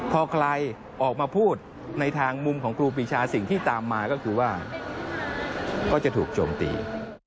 พอใครออกมาพูดในทางมุมของครูปีชาสิ่งที่ตามมาก็คือว่าก็จะถูกโจมตี